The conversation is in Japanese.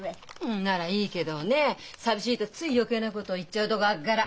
んならいいけどね寂しいとつい余計なこと言っちゃうとこあっがら！